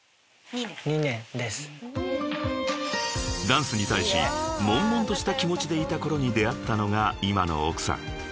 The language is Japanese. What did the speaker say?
［ダンスに対しもんもんとした気持ちでいた頃に出会ったのが今の奥さん］